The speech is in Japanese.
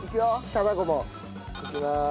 卵も。いきまーす。